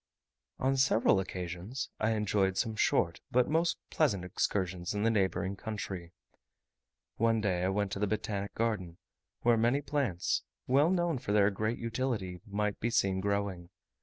On several occasions I enjoyed some short but most pleasant excursions in the neighbouring country. One day I went to the Botanic Garden, where many plants, well known for their great utility, might be seen growing.